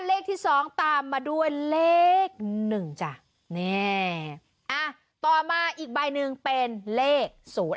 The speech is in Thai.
เลขที่สองตามมาด้วยเลขหนึ่งจ้ะเนี่ยอ่ะต่อมาอีกใบหนึ่งเป็นเลขศูนย์